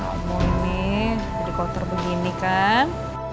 omo ini jadi kotor begini kan